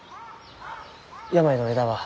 病の枝は？